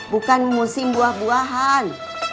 bukan musim buah buahan